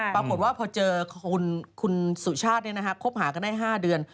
ปรากฏว่าพอเจอคุณสุชาติคบหากันได้๕เดือน